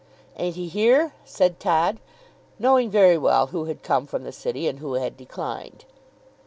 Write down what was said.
"Ain't he here?" said Todd, knowing very well who had come from the City and who had declined.